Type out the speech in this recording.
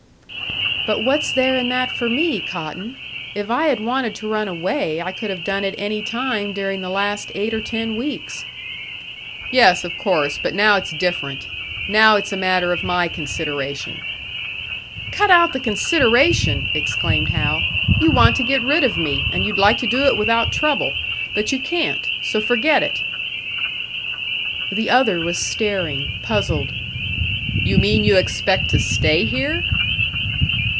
"But what's there in that for me, Cotton? If I had wanted to run away, I could have done it any time during the last eight or ten weeks." "Yes, of course, but now it's different. Now it's a matter of my consideration." "Cut out the consideration!" exclaimed Hal. "You want to get rid of me, and you'd like to do it without trouble. But you can't so forget it." The other was staring, puzzled. "You mean you expect to stay here?"